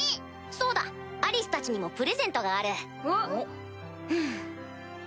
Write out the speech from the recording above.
そうだアリスたちにもプレゼントがある。